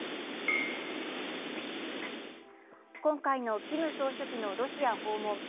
今回のキム総書記のロシア訪問。